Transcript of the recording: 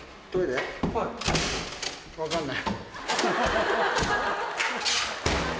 分かんない。